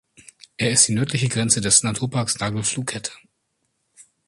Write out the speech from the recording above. Er ist die nördliche Grenze des Naturparks Nagelfluhkette.